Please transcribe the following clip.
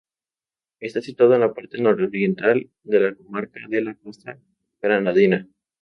Está situada en la parte nororiental de la comarca de la Costa Granadina.